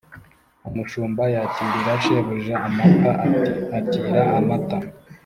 umushumba yakirira shebuja amata ati: “akira amata”,